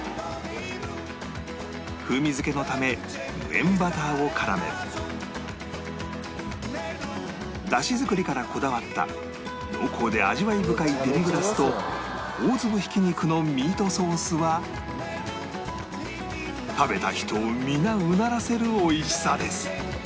風味付けのため無塩バターを絡めだし作りからこだわった濃厚で味わい深いデミグラスと大粒ひき肉のミートソースは食べた人を皆うならせるおいしさです